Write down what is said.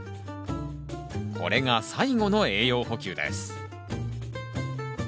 これが最後の栄養補給です。